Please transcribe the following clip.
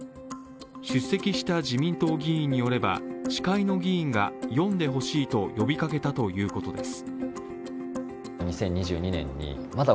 出席した自民党議員によれば、司会の議員が読んでほしいと呼びかけたということです。